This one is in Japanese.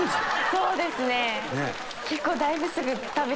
そうですね。